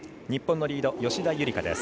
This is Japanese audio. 日本のリード、吉田夕梨花。